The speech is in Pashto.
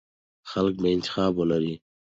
خلک به انتخاب ولري.